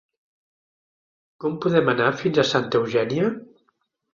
Com podem anar fins a Santa Eugènia?